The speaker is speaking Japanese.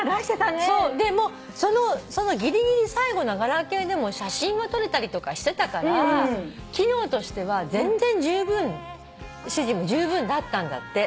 でもそのぎりぎり最後のガラケーでも写真は撮れたりとかしてたから機能としては全然主人もじゅうぶんだったんだって。